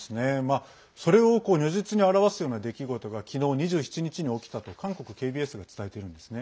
それを如実に表すような出来事が昨日、２７日に起きたと韓国ＫＢＳが伝えているんですね。